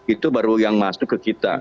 itu baru yang masuk ke kita